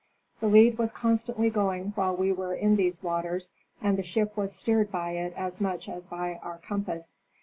The lead was constantly going while we were in these waters, and the ship was steered by it as much as by our compass.